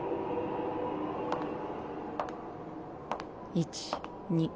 １２。